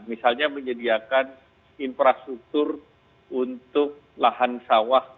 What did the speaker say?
misalnya menyediakan infrastruktur untuk lahan sawah